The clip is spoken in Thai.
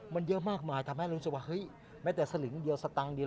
มันเยอะมากมายทำให้รู้สึกว่าเฮ้ยแม้แต่สลึงเดียวสตางค์เดียว